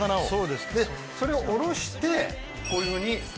でそれをおろしてこういうふうに。